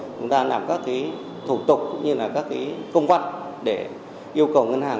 chúng ta làm các cái thủ tục cũng như là các cái công văn để yêu cầu ngân hàng